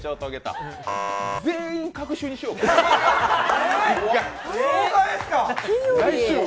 全員、隔週にしようか、一回。